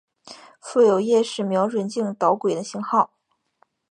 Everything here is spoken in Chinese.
附有夜视瞄准镜导轨的型号。